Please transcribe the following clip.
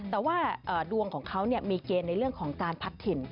แต่ว่าดวงของเขามีเกณฑ์ในเรื่องของการพัดถิ่น